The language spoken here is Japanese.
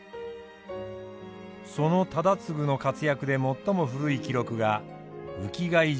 その忠次の活躍で最も古い記録が福谷城の戦い。